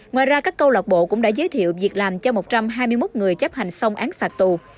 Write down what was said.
ngoài ra các câu lạc bộ cũng đã giới thiệu việc làm cho một trăm hai mươi một người chấp hành xong án phạt tù